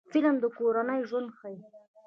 فلم د کورنۍ ژوند ښيي